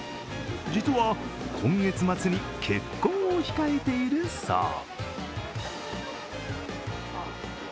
実は今月末に結婚を控えているそう。